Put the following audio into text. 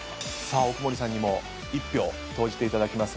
奥森さんにも１票投じていただきますが。